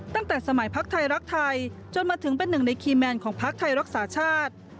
ตั้งแต่สมัยพักไทยรักไทยจนมาถึงเป็นหนึ่งในคีย์แมนของพักไทยรักษาชาติ